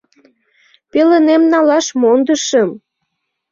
— Пеленем налаш мондышым.